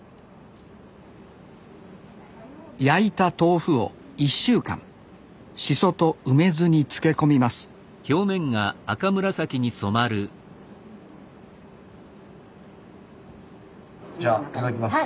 焼いた豆腐を１週間シソと梅酢に漬け込みますじゃあいただきます。